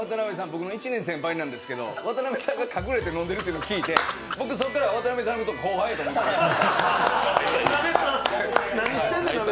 僕の１年先輩なんですけど隠れて飲んでるって言うのを聞いて、僕、そこからワタナベさんのこと後輩だと思っています。